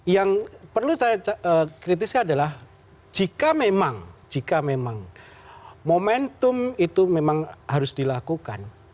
yang perlu saya kritiskan adalah jika memang jika memang momentum itu memang harus dilakukan